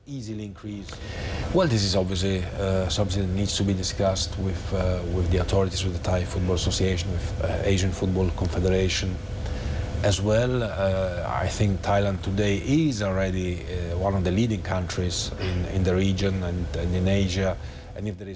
อินฟาติโน่บอกว่าไทยเป็นประเทศหนึ่งที่โดดเด่นในเรื่องของฟุตบอลในภูมิภาค